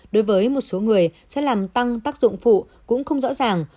đối với một số người sẽ làm tăng tác dụng phụ cũng không rõ ràng